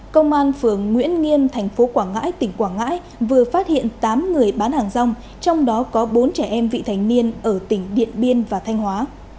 công an phường nguyễn nghiêm thành phố quảng ngãi tỉnh quảng ngãi vừa phát hiện tám người bán hàng rong trong đó có bốn trẻ em vị thành niên ở tỉnh điện biên và thanh hóa